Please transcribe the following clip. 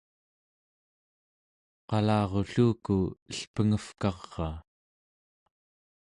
qalarulluku elpengevkaraa